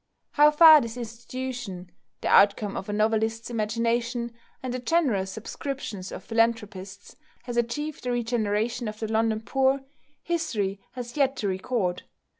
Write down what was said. How far this institution, the outcome of a novelist's imagination and the generous subscriptions of philanthropists, has achieved the regeneration of the London poor, history has yet to record.